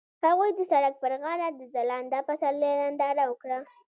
هغوی د سړک پر غاړه د ځلانده پسرلی ننداره وکړه.